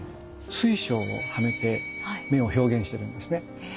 水晶をはめて目を表現してるんですね。